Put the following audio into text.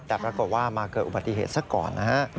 แต่ปรากฎว่ามาเกิดอุบัติเหตุสักก่อน